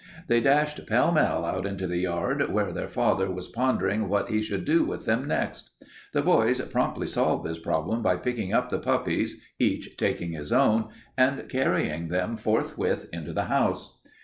They dashed pell mell out into the yard where their father was pondering what he should do with them next. The boys promptly solved this problem by picking up the puppies, each taking his own, and carrying them forthwith into the house.